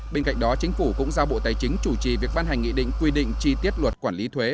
bên cạnh đó chính phủ cũng giao bộ tài chính chủ trì việc ban hành nghị định quy định chi tiết luật quản lý thuế